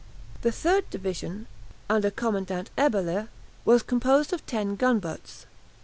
The third division, under Commandant Eberle, was composed of ten gunboats.